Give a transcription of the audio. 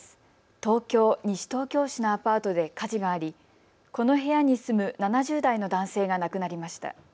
東京西東京市のアパートで火事がありこの部屋に住む７０代の男性が亡くなりました。